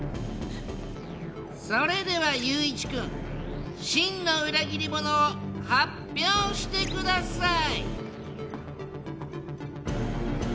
それでは友一くん真の裏切り者を発表してください！